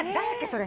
それ。